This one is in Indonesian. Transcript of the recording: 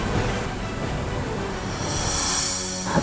mas tuh makannya